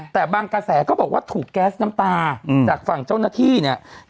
แต่บางกระแสก็บอกว่าถูกแก๊สน้ำตาจากฝั่งเจ้าหน้าที่เนี่ย